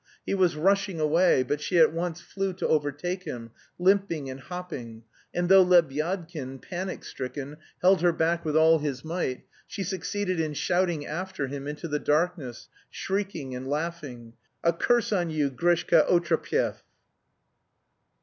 He was rushing away; but she at once flew to overtake him, limping and hopping, and though Lebyadkin, panic stricken, held her back with all his might, she succeeded in shouting after him into the darkness, shrieking and laughing: "A curse on you, Grishka Otrepyev!"